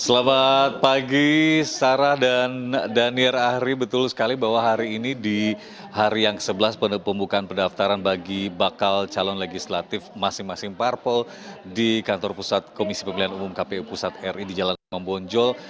selamat pagi sarah dan daniel ahri betul sekali bahwa hari ini di hari yang ke sebelas pembukaan pendaftaran bagi bakal calon legislatif masing masing parpol di kantor pusat komisi pemilihan umum kpu pusat ri di jalan membonjol